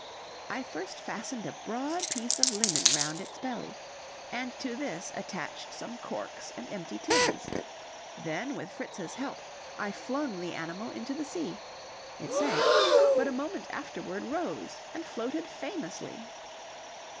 I first fastened a broad piece of linen round its belly, and to this attached some corks and empty tins; then, with Fritz's help, I flung the animal into the sea it sank, but a moment afterward rose and floated famously.